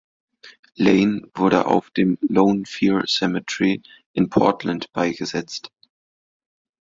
Lane wurde auf dem "Lone Fir Cemetery" in Portland beigesetzt.